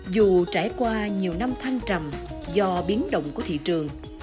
dù trải qua nhiều năm thăng trầm do biến động của thị trường